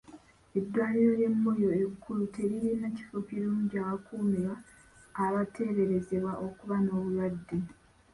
Eddwaliro ly'e Moyo ekkulu terilina kifo kirungi awakuumirwa abateeberezebwa okuba n'obulwadde.